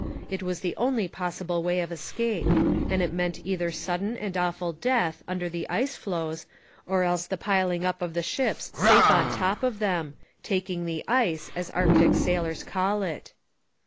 It was the only possible way of escape, and it meant either sudden and awful death under the ice floes or else the piling up of the ships safe on top of them 'taking the ice' as Arctic sailors call it.